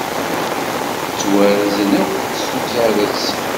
Ttwarzen akk s uzarez.